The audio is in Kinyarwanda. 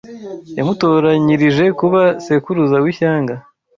Yamutoranyirije kuba sekuruza w’ishyanga